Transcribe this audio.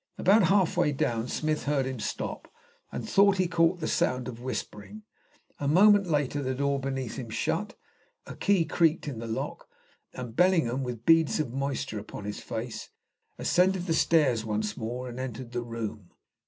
About half way down Smith heard him stop, and thought he caught the sound of whispering. A moment later the door beneath him shut, a key creaked in a lock, and Bellingham, with beads of moisture upon his pale face, ascended the stairs once more, and re entered the room.